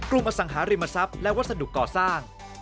อสังหาริมทรัพย์และวัสดุก่อสร้าง